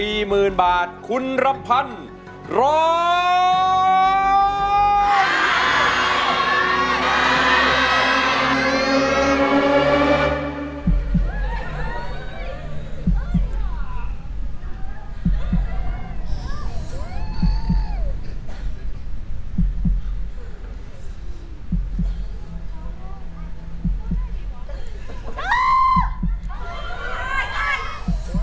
เพลงที่๓มูลค่า๔๐๐๐๐บาทคุณรำพันร้อง